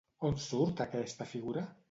On surt aquesta figura?